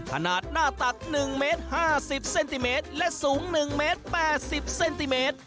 ขนาดหน้าตัก๑เมตร๕๐เซนติเมตรและสูง๑เมตร๘๐เซนติเมตร